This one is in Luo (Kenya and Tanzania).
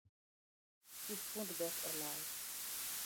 Kifund dhot olal